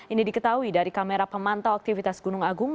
ini diketahui dari kamera pemantau aktivitas gunung agung